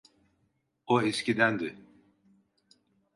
O eskidendi.